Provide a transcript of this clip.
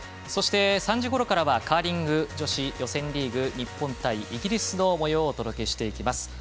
そして３時ごろからはカーリング女子予選リーグ日本対イギリスのもようをお届けしていきます。